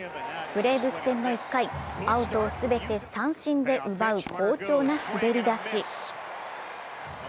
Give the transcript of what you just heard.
ブレーブス戦の１回、アウトを全て三振で奪う好調な滑り出し。